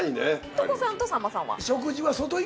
所さんとさんまさんは？